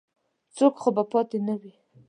څوک خو به پاتې نه وي.